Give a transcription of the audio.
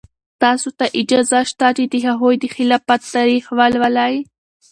تاسو ته اجازه شته چې د هغوی د خلافت تاریخ ولولئ.